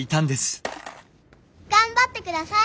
頑張って下さい！